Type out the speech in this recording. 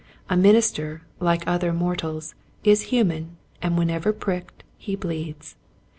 A minister, like other mortals, is human and whenever pricked he bleeds.